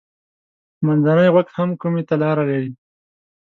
منځنی غوږ هم کومي ته لاره لري.